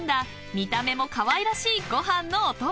見た目もかわいらしいご飯のおとも］